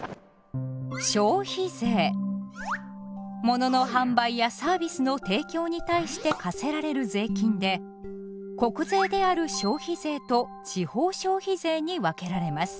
ものの販売やサービスの提供に対して課せられる税金で国税である消費税と地方消費税に分けられます。